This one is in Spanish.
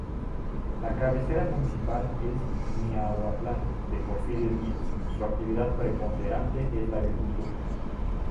La cabecera municipal es Miahuatlán de Porfirio Díaz, su actividad preponderante es la agricultura.